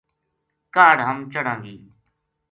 کاہڈ ہم چڑھاں گی ‘‘